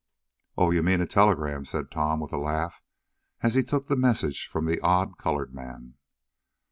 "Oh, you mean a telegram," said Tom, with a laugh, as he took the message from the odd colored man.